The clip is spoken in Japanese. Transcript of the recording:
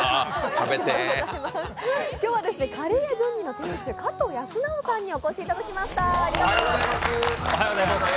今日はカレー屋ジョニーの店主、加藤靖尚さんにお越しいただきました。